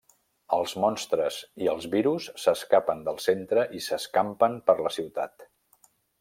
Els monstres i el virus s'escapen del centre i s'escampen per la ciutat.